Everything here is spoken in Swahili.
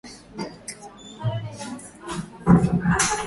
Nyota ya Samia ilivuka mipaka hasa